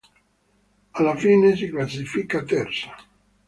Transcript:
Alla fine si classifica terza.